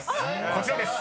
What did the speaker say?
こちらです］